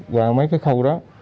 qua mấy cái khâu đó